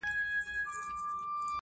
که چيري هغوی نه پوهېدلی